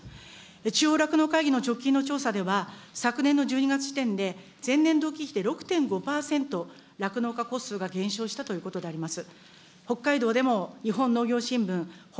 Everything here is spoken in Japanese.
地方酪農会議の直近の調査では、昨年の１２月時点で、前年同期比で６．％、酪農家戸数が減少したということでございます。